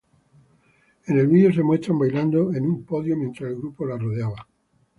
En el video, se muestra bailando en un podio mientras el grupo la rodeaba.